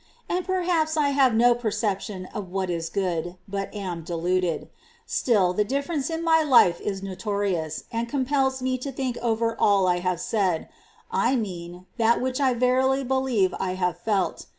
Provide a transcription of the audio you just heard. And perhaps I have no perception of what is good, but am deluded ; still, the difference in my life is notorious, and compels me to think over all I have said — I mean, that which I verily believe I have felt.